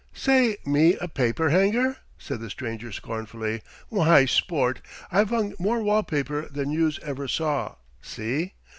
"Say, me a paper hanger?" said the stranger scornfully. "Why, sport, I've hung more wall paper than youse ever saw, see?